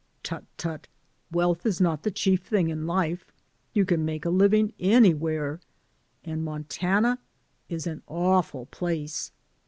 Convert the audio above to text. "Tut, tut ; wealth is not the chief thing in life. You can make a living anywhere, and Montana is an awful place.